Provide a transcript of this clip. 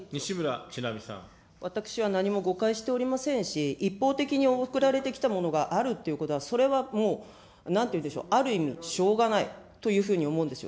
私は何も誤解しておりませんし、一方的に送られてきたものがあるということは、それはもうなんていうんでしょう、ある意味、しょうがないというふうに思うんですよ。